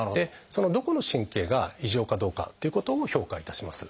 どこの神経が異常かどうかっていうことを評価いたします。